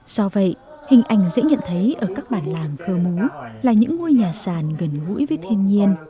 do vậy hình ảnh dễ nhận thấy ở các bản làng khơ mú là những ngôi nhà sàn gần gũi với thiên nhiên